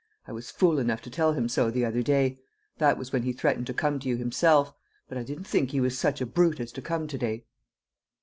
I was fool enough to tell him so the other day; that was when he threatened to come to you himself. But I didn't think he was such a brute as to come to day!"